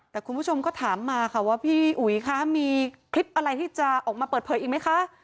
แต่คุณผู้ชมก็ถามมาค่ะว่าพี่อุ๋ยคะมีคลิปอะไรที่จะออกมาเปิดเผยอีกไหมคะ